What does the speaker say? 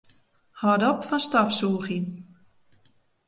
Hâld op fan stofsûgjen.